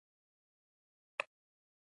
د سیمو ترمنځ د توکو انتقال هم مالیه درلوده.